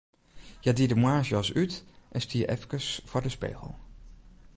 Hja die de moarnsjas út en stie efkes foar de spegel.